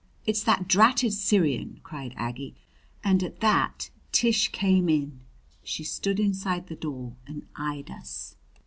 "It's that dratted Syrian!" cried Aggie and at that Tish came in. She stood inside the door and eyed us.